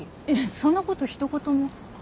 そんな事ひと言も。